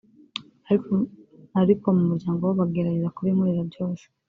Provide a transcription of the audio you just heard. ariko mu muryango ho bagerageza kubinkorera byose